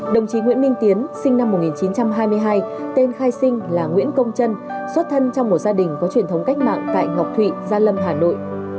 đồng chí nguyễn minh tiến sinh năm một nghìn chín trăm hai mươi hai tên khai sinh là nguyễn công trân xuất thân trong một gia đình có truyền thống cách mạng tại ngọc thụy gia lâm hà nội